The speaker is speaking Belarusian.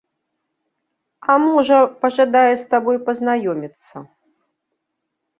А можа, пажадае з табой пазнаёміцца.